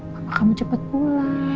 mama kamu cepat pulang